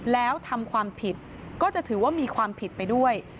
แล้วทำความผิดก็จะถือว่ามีความผิดไปด้วย